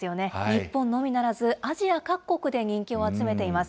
日本のみならず、アジア各国で人気を集めています。